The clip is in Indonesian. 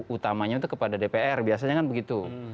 utamanya itu kepada dpr biasanya kan begitu